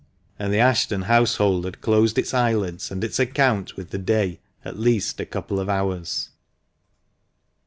and the Ashton household had closed its eyelids and its account with the day at least a couple of hours.